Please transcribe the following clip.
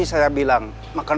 saya mau makan